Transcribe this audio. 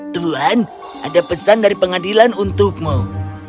tuhan ada pesan dari pengadilan untukmu